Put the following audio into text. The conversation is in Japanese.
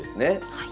はい。